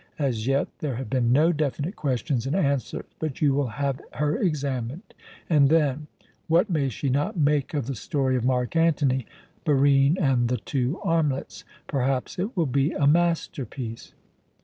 As yet there have been no definite questions and answers. But you will have her examined, and then What may she not make of the story of Mark Antony, Barine, and the two armlets? Perhaps it will be a masterpiece."